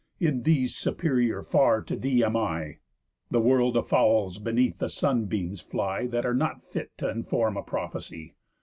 In these superior far to thee am I. A world of fowls beneath the sun beams fly That are not fit t' inform a prophecy.